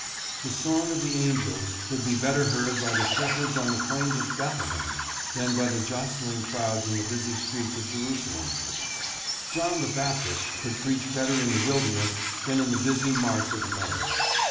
The song of the angels could be better heard by the shep herds on the plains of Bethlehem than by the jostling crowds in the busy streets of Jerusalem. John the Baptist could preach better in the wilderness than in the busy marts of men.